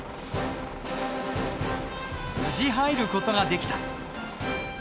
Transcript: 無事入る事ができた。